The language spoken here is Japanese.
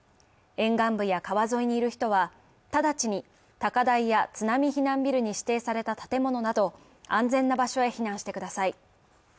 沿岸部や川沿いにいる人は直ちに高台や津波避難ビルに指定された建物など安全な場所へ避難してください。